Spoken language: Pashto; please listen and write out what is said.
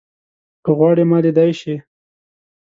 که غواړې ما ليدای شې